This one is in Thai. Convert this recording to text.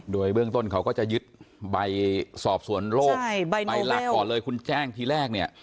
โดยเบื้องต้นเขาก็จะยึดใบสอบสวนโรคใบหลักก่อนเลยคุณแจ้งทีแรกเนี่ย